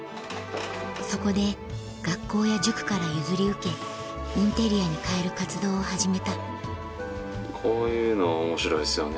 そこで学校や塾から譲り受けインテリアに変える活動を始めたこういうの面白いっすよね。